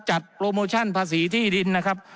จัดโปรโมชั่นภาษีที่ดินนะครับ